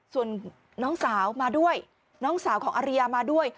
ส่วนน้องสาวมาด้วยน้องสาวของอริยามาด้วย